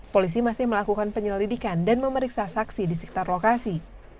polisi masih melakukan penyelidikan dan memeriksa saksi di sekitar lokasi